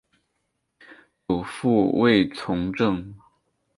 祖父卫从政。